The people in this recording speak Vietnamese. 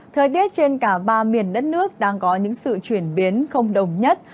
thời tiết trên cả ba miền đất nước đang có những sự chuyển biến không đồng nhất